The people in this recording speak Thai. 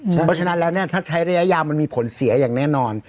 เพราะฉะนั้นแล้วเนี่ยถ้าใช้ระยะยาวมันมีผลเสียอย่างแน่นอน